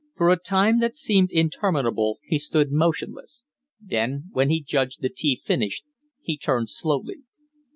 For a time that seemed interminable he stood motionless; then, when he judged the tea finished, he turned slowly.